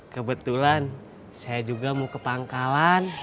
kebetulan saya juga mau ke pangkalan